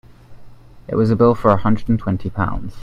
It was a bill for a hundred and twenty pounds.